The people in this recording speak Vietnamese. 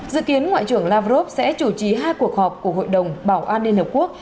dự kiến ngoại trưởng lavrov sẽ chủ trì hai cuộc họp của hội đồng bảo an liên hợp quốc